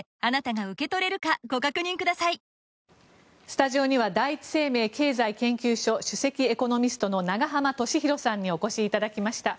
スタジオには第一生命経済研究所首席エコノミストの永濱利廣さんにお越しいただきました。